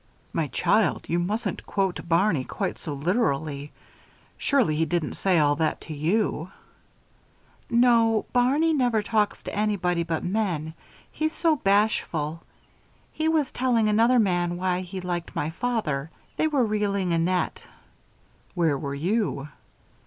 '" "My child! You mustn't quote Barney quite so literally. Surely, he didn't say all that to you?" "No. Barney never talks to anybody but men, he's so bashful. He was telling another man why he liked my father. They were reeling a net." "Where were you?"